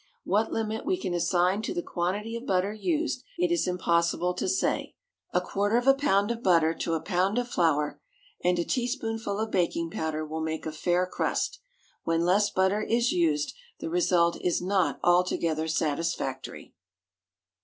What limit we can assign to the quantity of butter used it is impossible to say. A quarter of a pound of butter to a pound of flour, and a teaspoonful of baking powder, will make a fair crust. When less butter is used the result is not altogether satisfactory.